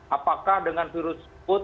apakah dengan virus covid sembilan belas